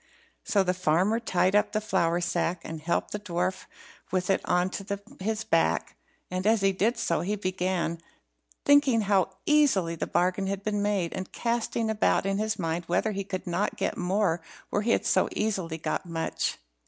So the farmer tied up the flour sack, and helped the dwarf with it on to his back, and as he did so he began thinking how easily the bargain had been made, and casting about in his mind whether, he could not get more where he had so easily got much.